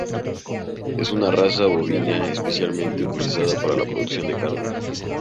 Es una raza bovina especialmente utilizada para la producción de carne.